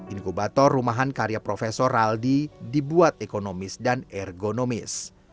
inkubator rumahan karya prof raldi dibuat ekonomis dan ergonomis